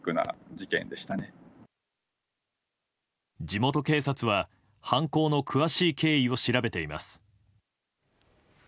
地元警察は犯行の詳しい経緯を調べています。